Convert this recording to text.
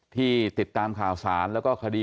ติดตามข่าวสารแล้วก็คดี